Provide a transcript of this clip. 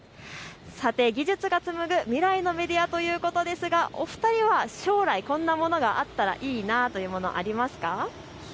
さて技術がつむぐ未来のメディアということですがお二人は将来こんなものがあったらいいなというものありますか。